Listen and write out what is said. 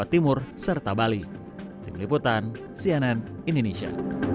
tim liputan cnn indonesia